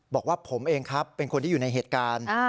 บอกว่าผมเองครับเป็นคนที่อยู่ในเหตุการณ์